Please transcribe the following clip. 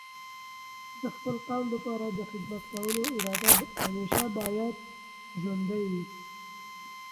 د خپل قوم لپاره د خدمت کولو اراده همیشه باید ژوندۍ وي.